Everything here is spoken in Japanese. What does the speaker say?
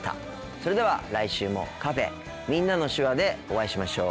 それでは来週もカフェ「みんなの手話」でお会いしましょう。